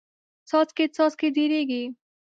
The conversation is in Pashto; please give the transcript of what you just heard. څاڅکې څاڅکې ډېریږي.